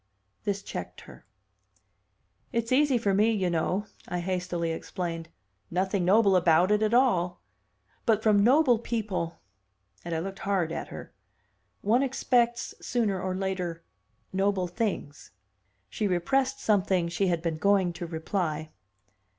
This checked her. "It's easy for me, you know," I hastily explained. "Nothing noble about it at all. But from noble people" and I looked hard at her "one expects, sooner or later, noble things." She repressed something she had been going to reply.